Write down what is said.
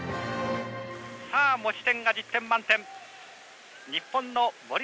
持ち点が１０点満点。